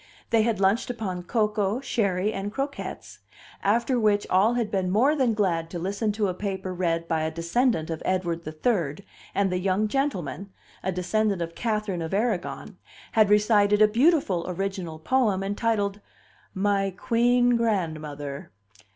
They had lunched upon cocoa, sherry, and croquettes, after which all had been more than glad to listen to a paper read by a descendant of Edward the Third and the young gentleman, a descendant of Catherine of Aragon, had recited a beautiful original poem, entitled "My Queen Grandmother."